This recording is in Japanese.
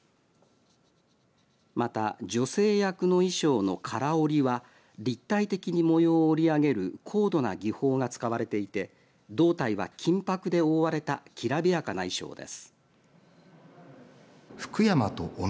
また、女性役の衣装の唐織は立体的に模様を織り上げる高度な技法が使われていて胴体は金ぱくで覆われたきらびやかな衣装です。